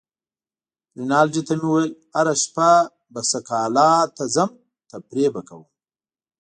رینالډي ته مې وویل: هره شپه به سکالا ته ځم، تفریح به کوم.